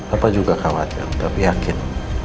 apa juga khawatir tapi yakin